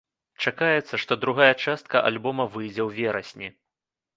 Чакаецца, што другая частка альбома выйдзе ў верасні.